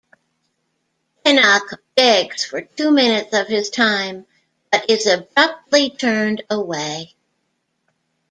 Pinnock begs for two minutes of his time, but is abruptly turned away.